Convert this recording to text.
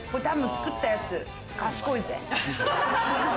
作ったやつ賢いぜ。